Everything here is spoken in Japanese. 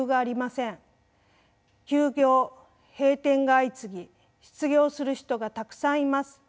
休業閉店が相次ぎ失業する人がたくさんいます。